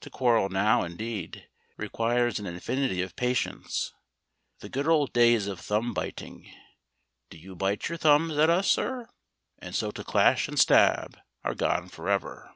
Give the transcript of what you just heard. To quarrel now, indeed, requires an infinity of patience. The good old days of thumb biting "Do you bite your thumbs at us, sir?" and so to clash and stab are gone for ever.